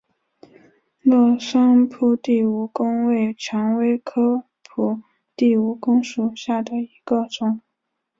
乐山铺地蜈蚣为蔷薇科铺地蜈蚣属下的一个种。